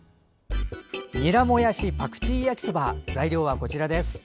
にらもやしパクチー焼きそば材料はこちらです。